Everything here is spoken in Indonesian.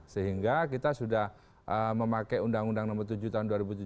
sehingga kita sudah memakai undang undang nomor tujuh tahun dua ribu tujuh belas